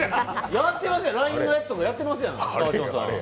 やってますやん、ＬＩＮＥのやつとかやってますやん。